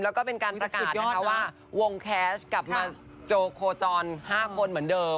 แล้วก็เป็นการประกาศนะคะว่าวงแคสต์กลับมาโจโคจร๕คนเหมือนเดิม